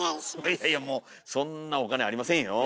いやいやもうそんなお金ありませんよ。